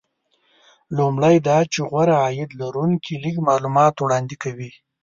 لومړی دا چې غوره عاید لرونکي لږ معلومات وړاندې کوي